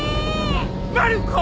まる子！